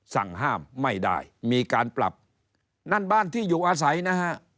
สั่งห้ามไม่ได้มีการปรับนั่นบ้านที่อยู่อาศัยนะฮะ